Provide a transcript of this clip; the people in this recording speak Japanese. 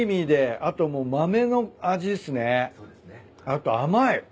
あと甘い。